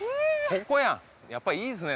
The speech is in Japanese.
ここやんやっぱいいですね